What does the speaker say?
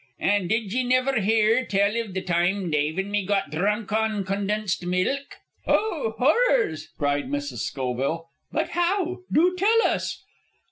"An' did ye niver hear tell iv the time Dave an' me got drunk on condensed milk?" "Oh! Horrors!" cried Mrs. Schoville. "But how? Do tell us."